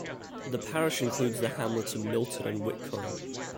The parish includes the hamlets of Milton and Witcombe.